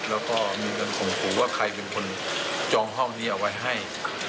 แล้วก็มีการข่มขู่ว่าใครเป็นคนจองห้องนี้เอาไว้ให้